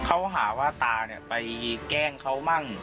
เขาหาว่าตาไปแกล้งเขามั่ง